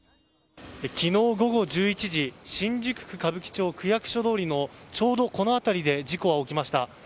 昨日午後１１時新宿区歌舞伎町区役所通りのちょうどこの辺りで事故は起きました。